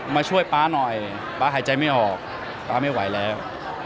มาช่วยป๊าหน่อยป๊าหายใจไม่ออกป๊าไม่ไหวแล้ว